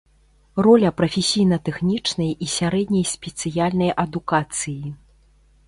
Роля прафесійна-тэхнічнай і сярэдняй спецыяльнай адукацыі.